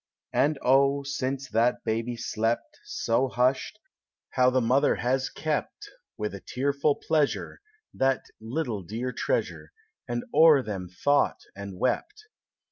And (), since that baby slept. So hushed, how the mother has kept, With a tearful pleasure, That little dear treasure, And o'er them thought and wept!